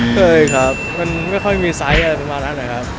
เคยครับมันไม่ค่อยมีไซส์อะไรประมาณนั้นนะครับ